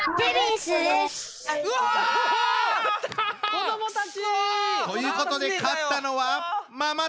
子どもたち！ということで勝ったのはママタルト！